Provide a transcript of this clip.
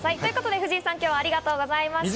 藤井さん、今日はありがとうございました。